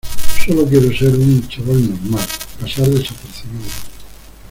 solo quiero ser un chaval normal, pasar desapercibido...